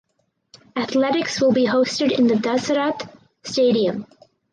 Athletics will be hosted in the Dasarath Stadium.